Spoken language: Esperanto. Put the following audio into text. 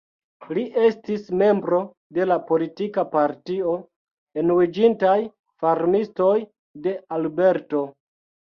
Li estis membro de la politika partio Unuiĝintaj Farmistoj de Alberto.